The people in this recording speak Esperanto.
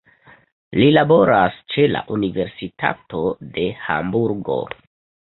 Li laboras ĉe la Universitato de Hamburgo.